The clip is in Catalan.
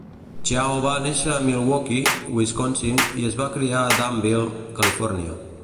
Chiao va néixer a Milwaukee, Wisconsin i es va criar a Danville, Califòrnia.